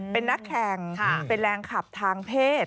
เป็นนักแข่งเป็นแรงขับทางเพศ